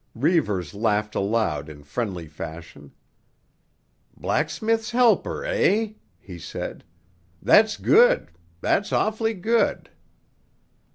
Reivers laughed aloud in friendly fashion. "Blacksmith's helper, eh?" he said. "That's good; that's awfully good!